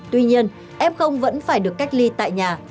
tuy nhiên f vẫn phải được cách ly tại nhà